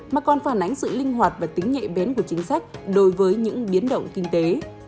mà còn phản ánh sự linh hoạt và tính nhạy bén của chính sách đối với những biến động kinh tế